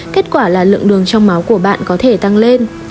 kết quả là lượng đường trong máu của bạn có thể tăng lên